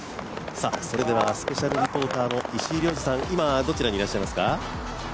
それではスペシャルリポーターの石井亮次さん、今どこにいますか？